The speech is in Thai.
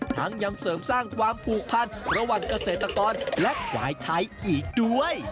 ยังเสริมสร้างความผูกพันระหว่างเกษตรกรและควายไทยอีกด้วย